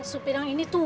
supir yang ini tua